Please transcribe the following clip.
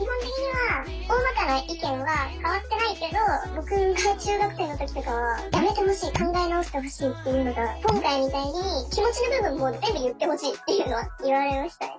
僕が中学生の時とかはやめてほしい考え直してほしいっていうのが今回みたいに気持ちの部分も全部言ってほしいっていうのは言われましたね。